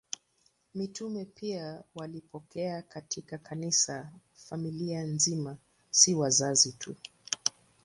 Mitume pia walipokea katika Kanisa familia nzima, si wazazi tu.